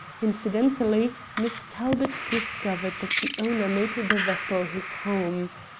Incidentally Miss Talbot discovered that the owner made the vessel his home.